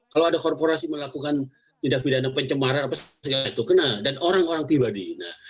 kalau ada korporasi melakukan pidana pencemaran dan orang orang pribadi